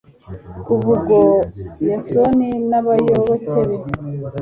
kuva ubwo yasoni n'abayoboke be